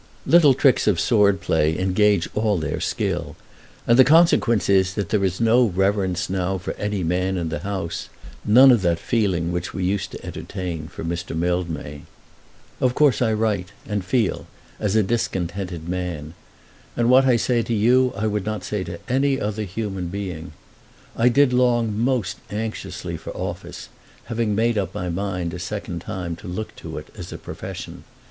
Little tricks of sword play engage all their skill. And the consequence is that there is no reverence now for any man in the House, none of that feeling which we used to entertain for Mr. Mildmay. Of course I write and feel as a discontented man; and what I say to you I would not say to any other human being. I did long most anxiously for office, having made up my mind a second time to look to it as a profession.